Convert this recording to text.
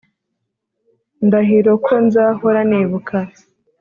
ndahiro ko nzahora nibuka